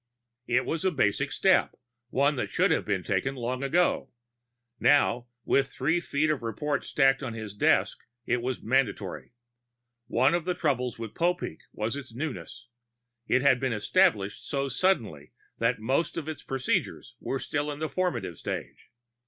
It was a basic step, one that should have been taken long ago. Now, with three feet of reports stacked on his desk, it was mandatory. One of the troubles with Popeek was its newness; it had been established so suddenly that most of its procedures were still in the formative stage.